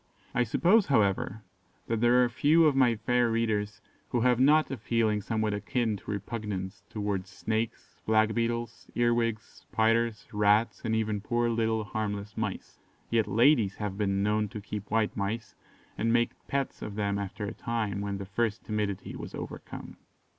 I suppose, however, that there are few of my fair readers who have not a feeling somewhat akin to repugnance towards snakes, black beetles, earwigs, spiders, rats, and even poor little, harmless mice; yet ladies have been known to keep white mice, and make pets of them after a time, when the first timidity was overcome.